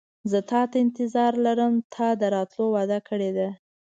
زه تاته انتظار لرم تا د راتلو وعده کړې ده.